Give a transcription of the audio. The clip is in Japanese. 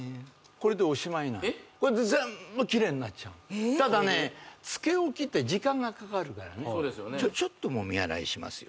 これで全部キレイになっちゃうのただねつけ置きって時間がかかるからねちょっともみ洗いしますよ